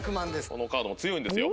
このカードも強いんですよ